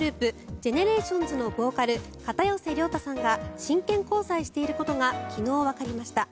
ＧＥＮＥＲＡＴＩＯＮＳのボーカル片寄涼太さんが真剣交際していることが昨日、わかりました。